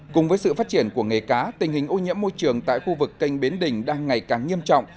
cùng với sự phát triển của nghề cá tình hình ô nhiễm môi trường tại khu vực kênh bến đình đang ngày càng nghiêm trọng